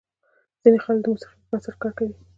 ځینې خلک د موسیقۍ پر بنسټ کار کوي.